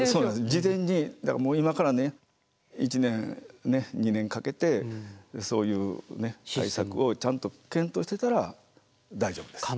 事前にだから今からね１年２年かけてそういう対策をちゃんと検討してたら大丈夫です。